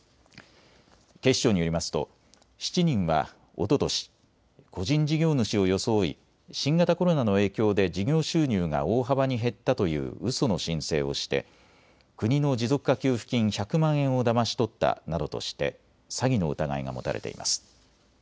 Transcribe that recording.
警視庁によりますと７人はおととし、個人事業主を装い新型コロナの影響で事業収入が大幅に減ったといううその申請をして国の持続化給付金１００万円をだまし取ったなどとして詐欺の疑いが持たれています。